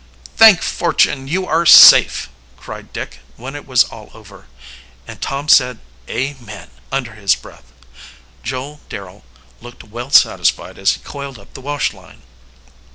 "Thank fortune, you are safe!" cried Dick when it was all over; and Tom said "Amen," under his breath. Joel Darrel looked well satisfied as he coiled up the wash line.